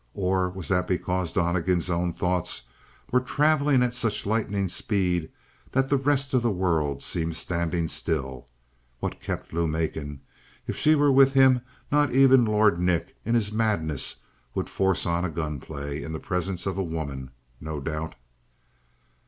Or was that because Donnegan's own thoughts were traveling at such lightning speed that the rest of the world seemed standing still? What kept Lou Macon? If she were with him, not even Lord Nick in his madness would force on a gunplay in the presence of a woman, no doubt.